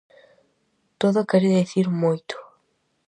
Todo quere dicir moito.